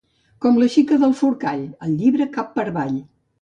Com la xica del Forcall, el llibre cap per avall.